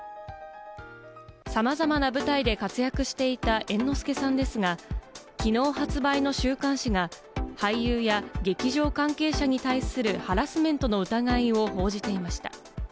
さまざまな舞台で活躍していた猿之助さんですが、きのう発売の週刊誌が俳優や劇場関係者に対するハラスメントの疑いを報じていました。